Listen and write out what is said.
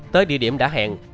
tới địa điểm đã hẹn